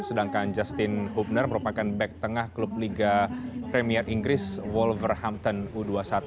sedangkan justin hubner merupakan back tengah klub liga premier inggris wolverhampton u dua puluh satu